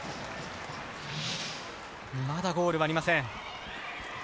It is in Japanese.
まだゴールはありません。